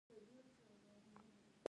ښارونه د افغانستان د زرغونتیا یوه نښه ده.